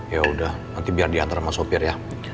yaudah nanti biar diantar sama sopir ya